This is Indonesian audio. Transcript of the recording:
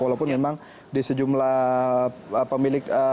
walaupun memang di sejumlah pemilik